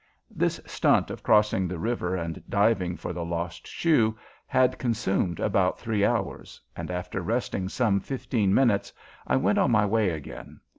This stunt of crossing the river and diving for the lost shoe had consumed about three hours, and after resting some fifteen minutes I went on my way again.